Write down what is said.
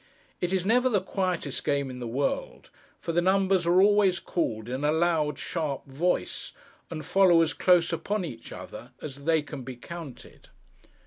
It is never the quietest game in the world; for the numbers are always called in a loud sharp voice, and follow as close upon each other as they can be counted.